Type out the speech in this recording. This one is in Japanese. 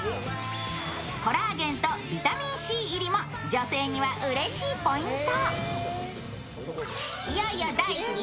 コラーゲンとビタミンＣ入りも女性にはうれしいポイント。